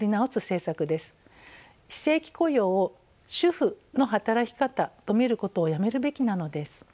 非正規雇用を主婦の働き方と見ることをやめるべきなのです。